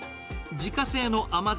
自家製の甘酢